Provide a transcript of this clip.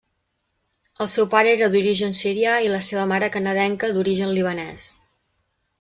El seu pare era d'origen sirià i la seva mare canadenca d'origen libanès.